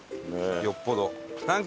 よっぽど。